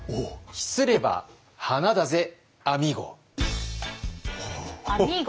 「秘すれば花だぜアミーゴ」。